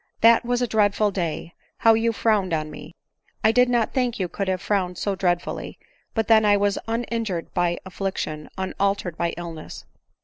That was a dreadful day ! how you frowned on. me! I did not think you could have frowned so dread fully — but then I was uninjured by affliction, unaltered by illness.